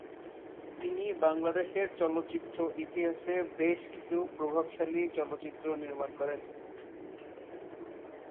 তিনি বাংলাদেশের চলচ্চিত্র ইতিহাসে বেশ কিছু প্রভাবশালী চলচ্চিত্র নির্মাণ করেন।